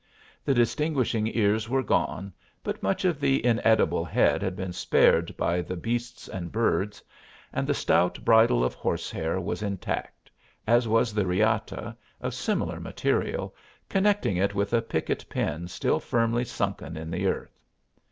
The distinguishing ears were gone, but much of the inedible head had been spared by the beasts and birds, and the stout bridle of horsehair was intact, as was the riata, of similar material, connecting it with a picket pin still firmly sunken in the earth.